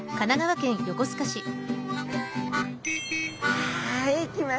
はい来ましたよ。